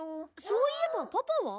そういえばパパは？